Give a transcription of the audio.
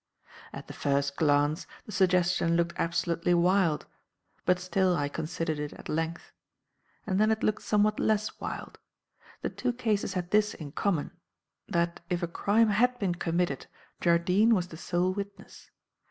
"At the first glance, the suggestion looked absolutely wild. But still I considered it at length; and then it looked somewhat less wild. The two cases had this in common, that if a crime had been committed, Jardine was the sole witness.